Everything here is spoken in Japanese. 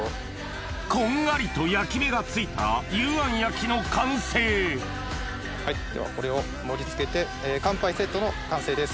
こんがりと焼き目がついたらの完成ではこれを盛り付けて乾杯セットの完成です。